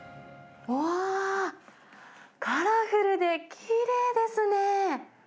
わー、カラフルできれいですね。